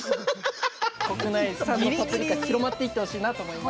国内産のパプリカ広まっていってほしいなって思います。